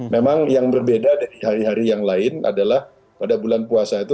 memang yang berbeda dari hari hari yang lain adalah pada bulan puasa itu